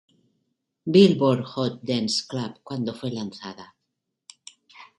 Billboard Hot Dance Club cuando fue lanzada.